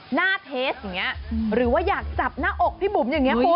หน้าเทสอย่างนี้หรือว่าอยากจับหน้าอกพี่บุ๋มอย่างนี้คุณ